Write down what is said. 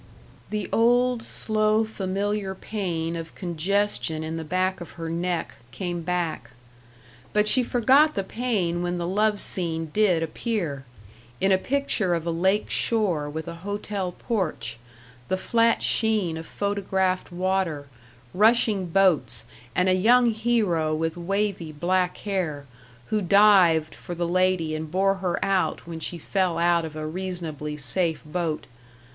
The old, slow familiar pain of congestion in the back of her neck came back. But she forgot the pain when the love scene did appear, in a picture of a lake shore with a hotel porch, the flat sheen of photographed water, rushing boats, and a young hero with wavy black hair, who dived for the lady and bore her out when she fell out of a reasonably safe boat.